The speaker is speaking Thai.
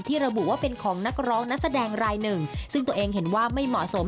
ระบุว่าเป็นของนักร้องนักแสดงรายหนึ่งซึ่งตัวเองเห็นว่าไม่เหมาะสม